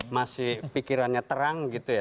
masih pikirannya terang gitu ya